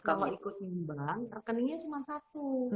kalau ikut nyumbang rekeningnya cuma satu